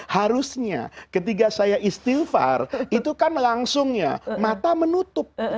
harusnya ketika saya istighfar itu kan langsungnya mata menutup